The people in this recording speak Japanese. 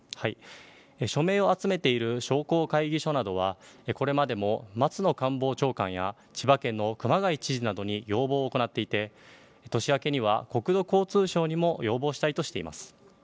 署名を集めている商工会議所などは、これまでも松野官房長官や千葉県の熊谷知事などに要望を行っていて年明けには国土交通省にも要望したいとしています。